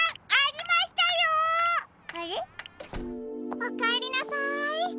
おかえりなさい。